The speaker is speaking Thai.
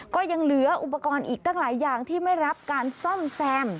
ก็ยังเหลืออุปกรณ์อีกตั้งหลายอย่างที่ไม่รับการซ่อมแซม